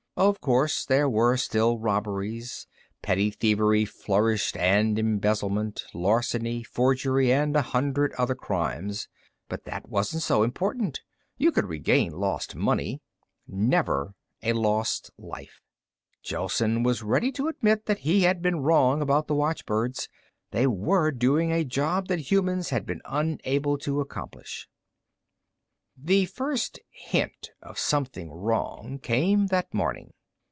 Of course, there were still robberies. Petty thievery flourished, and embezzlement, larceny, forgery and a hundred other crimes. But that wasn't so important. You could regain lost money never a lost life. Gelsen was ready to admit that he had been wrong about the watchbirds. They were doing a job that humans had been unable to accomplish. The first hint of something wrong came that morning.